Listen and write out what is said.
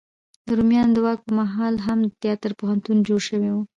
د روميانو د واک په مهال هم د تیاتر پوهنتون جوړ شوی و.